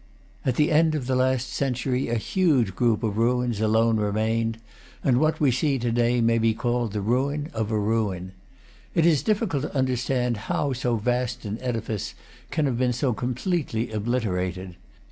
At the end of the last century a huge group of ruins alone remained, and what we see to day may be called the ruin of a ruin. It is difficult to understand how so vast an ediface can have been so completely obliterated.